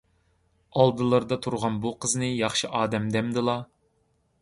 ئالدىلىرىدا تۇرغان بۇ قىزنى ياخشى ئادەم دەمدىلا؟